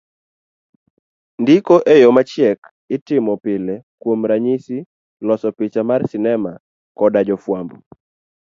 Ndiko e yo machiek itomo pile kuom ranyisi loso picha mar sinema koda jofuambo.